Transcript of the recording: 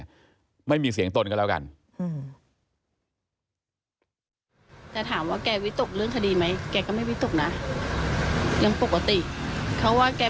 ความจริงก็คือความจริงแกก็จะพูดความจริงของแก